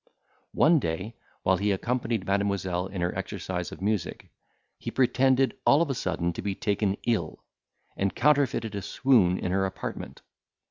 One day, while he accompanied Mademoiselle in her exercise of music, he pretended all of a sudden to be taken ill, and counterfeited a swoon in her apartment.